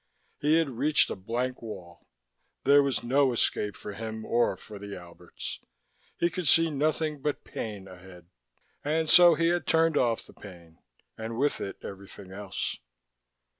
He had reached a blank wall: there was no escape for him or for the Alberts. He could see nothing but pain ahead. And so he had turned off the pain, and, with it, everything else.